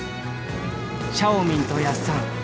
シャオミンとやっさん。